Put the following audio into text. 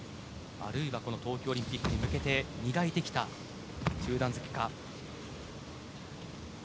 あるいは東京オリンピックに向けて磨いてきた中段突きか。